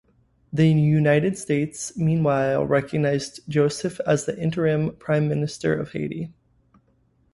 The United States meanwhile recognized Joseph as the interim Prime Minister of Haiti.